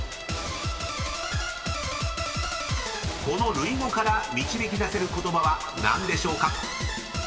［この類語から導き出せる言葉は何でしょうか？］